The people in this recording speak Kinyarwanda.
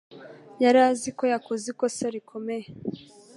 yari azi ko yakoze ikosa rikomeye.